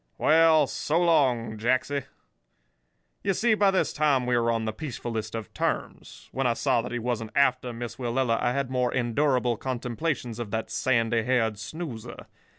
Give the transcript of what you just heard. Well, so long, Jacksy.' "You see, by this time we were on the peacefullest of terms. When I saw that he wasn't after Miss Willella, I had more endurable contemplations of that sandy haired snoozer.